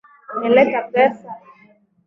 Umeleta pesa?